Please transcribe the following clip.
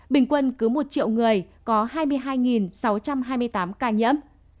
bình quân cứ một triệu người có hai mươi hai sáu trăm hai mươi tám ca nhiễm